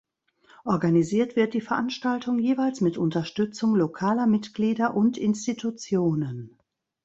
Organisiert wird die Veranstaltung jeweils mit Unterstützung lokaler Mitglieder und Institutionen.